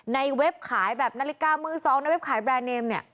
เว็บขายแบบนาฬิกามือสองในเว็บขายแรนดเนมเนี่ย